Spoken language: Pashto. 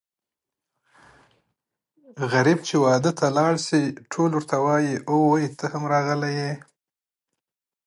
غريب چې واده ته لاړ شي ټول ورته وايي اووی ته هم راغلی یې.